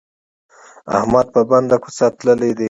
احمد په بنده کوڅه تللی دی.